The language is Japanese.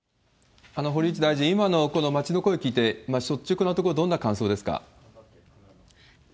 堀内大臣、今のこの街の声を聞いて、率直なところ、どんな感想ですか？